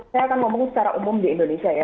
saya akan ngomongin secara umum di indonesia ya